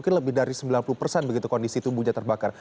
di lokasi kedua kendaraan